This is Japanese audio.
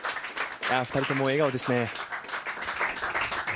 ２人とも笑顔ですね。